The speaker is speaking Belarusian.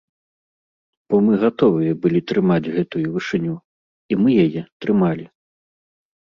Бо мы гатовыя былі трымаць гэтую вышыню, і мы яе трымалі.